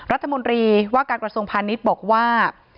รัฐมนตรีว่าการกระทรวงพาณิชย์บอกว่า